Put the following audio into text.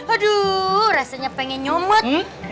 aduh rasanya pengen nyomot